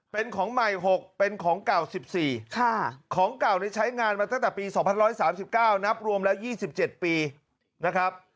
เป็นของใหม่๖เป็นของเก่า๑๔ของเก่าใช้งานมาตั้งแต่ปี๒๑๓๙นับรวมแล้ว๒๗ปีนะครับ